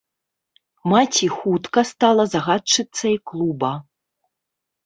Маці хутка стала загадчыцай клуба.